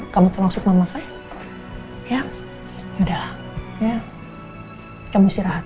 kamu di sini